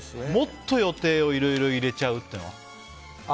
もっと予定をいろいろ入れちゃうっていうのは？